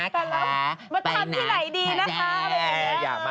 ก็ทำที่ไหนดีนะฝักแพ้